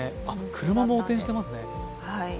車も横転していますね。